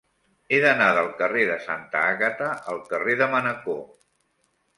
He d'anar del carrer de Santa Àgata al carrer de Manacor.